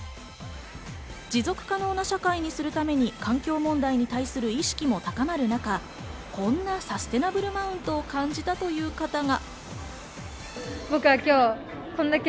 持続可能な社会にするために環境問題への意識も高まる中、こんなサステナブルなマウントを感じたという方が。